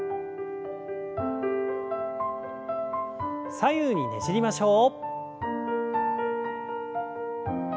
左右にねじりましょう。